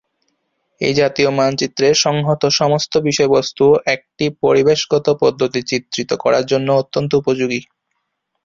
এই জাতীয় মানচিত্রে সংহত সমস্ত বিষয়বস্তু একটি পরিবেশগত পদ্ধতি চিত্রিত করার জন্য অত্যন্ত উপযোগী।